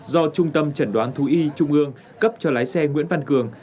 do trung tâm chẩn đoán thú y trung ương cấp cho lái xe nguyễn văn cường